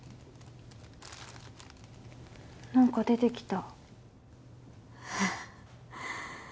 何か出てきた。